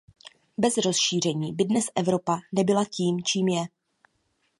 Bez rozšíření by dnes Evropa nebyla tím, čím je.